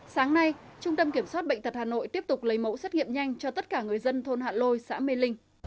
sáng nay trung tâm kiểm soát bệnh tật hà nội tiếp tục lấy mẫu xét nghiệm nhanh cho tất cả người dân thôn hạ lôi xã mê linh